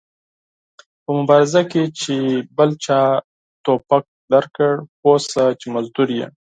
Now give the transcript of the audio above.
په مبارزه کې چې بل چا ټوپک درکړ پوه سه چې مزدور ېې